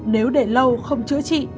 nếu để lâu không chữa trị